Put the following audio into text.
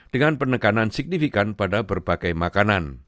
dengan penekanan signifikan pada berbagai makanan